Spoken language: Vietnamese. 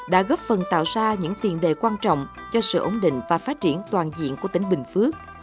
đã góp phần tạo ra những tiền đề quan trọng cho sự ổn định và phát triển toàn diện của tỉnh bình phước